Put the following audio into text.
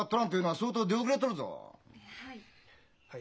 はい。